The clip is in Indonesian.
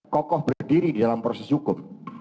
kokoh berdiri di dalam proses hukum